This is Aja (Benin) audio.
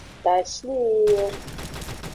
Tashinyi yo.